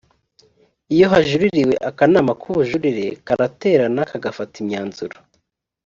iyo hajuririwe akanama k’ubujurire karaterana kagafata umwanzuro